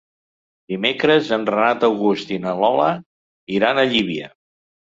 Dimecres en Renat August i na Lola iran a Llívia.